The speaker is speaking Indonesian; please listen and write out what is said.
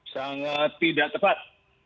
sangat tidak tepat